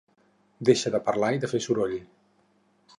Deixa de parlar i de fer soroll.